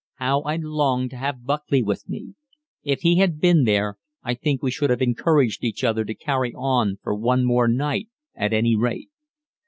How I longed to have Buckley with me! If he had been there I think we should have encouraged each other to carry on for one more night at any rate.